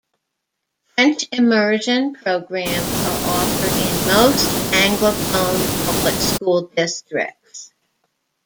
French immersion programs are offered in most Anglophone public school districts.